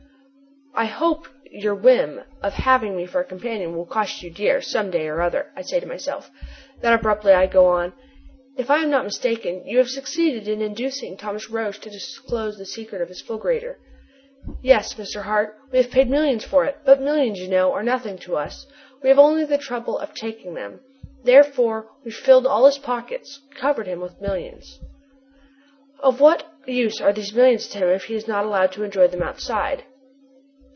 "I hope your whim of having me for a companion will cost you dear, some day or other," I say to myself. Then, abruptly, I go on: "If I am not mistaken, you have succeeded in inducing Thomas Roch to disclose the secret of his fulgurator?" "Yes, Mr. Hart. We paid millions for it. But millions, you know, are nothing to us. We have only the trouble of taking them! Therefore we filled all his pockets covered him with millions!" "Of what use are these millions to him if he is not allowed to enjoy them outside?"